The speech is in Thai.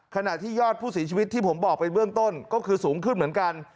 ขณะที่ยอดผู้เสียชีวิตที่ผมบอกไปเบื้องต้นก็คือสูงขึ้นเหมือนกัน